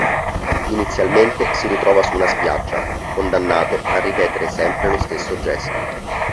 Inizialmente si ritrova su una spiaggia, condannato a ripetere sempre lo stesso gesto.